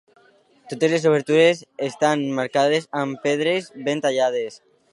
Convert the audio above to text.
Totes les obertures estan emmarcades amb pedres ben tallades.